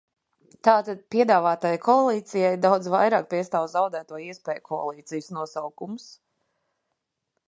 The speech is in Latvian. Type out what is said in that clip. Tātad piedāvātajai koalīcijai daudz vairāk piestāv zaudēto iespēju koalīcijas nosaukums.